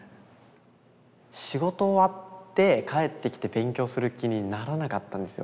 仕事終わって帰ってきて勉強する気にならなかったんですよ。